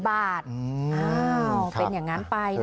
อ้าวเป็นอย่างนั้นไป